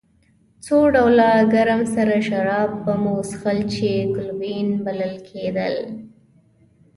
څو ډوله ګرم سره شراب به مو څښل چې ګلووېن بلل کېدل.